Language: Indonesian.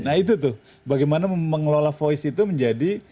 nah itu tuh bagaimana mengelola voice itu menjadi